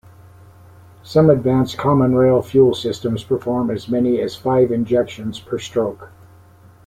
Some advanced common rail fuel systems perform as many as five injections per stroke.